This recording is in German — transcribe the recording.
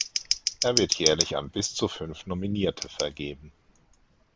Er wird jährlich an bis zu fünf Nominierte vergeben.